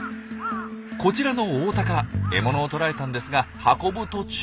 こちらのオオタカ獲物を捕らえたんですが運ぶ途中。